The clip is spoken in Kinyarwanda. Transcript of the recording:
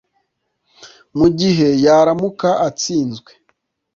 Mu gihe yaramuka atsinzwe